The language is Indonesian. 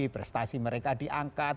prestasi mereka diangkat